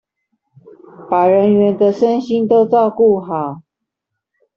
把人員的身心都照顧好